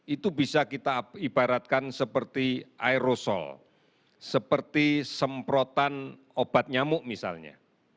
itu bisa kita ibaratkan seperti aerosol seperti semprotan obat nyamuk misalnya